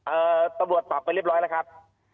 เอ่อตบวดปรับไปเรียบร้อยแล้วครับ